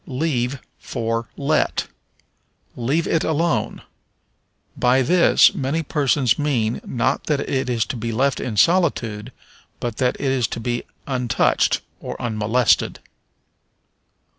Leave for Let. "Leave it alone." By this many persons mean, not that it is to be left in solitude, but that it is to be untouched, or unmolested.